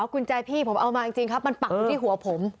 กุญแจพี่ผมเอามาจริงครับมันปักอยู่ที่หัวผม